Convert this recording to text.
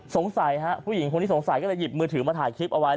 สงสัยฮะผู้หญิงคนนี้สงสัยก็เลยหยิบมือถือมาถ่ายคลิปเอาไว้